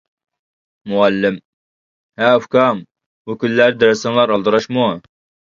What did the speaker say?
مۇئەللىم:-ھە ئۇكام، بۇ كۈنلەردە دەرسىڭلار ئالدىراشمۇ؟ !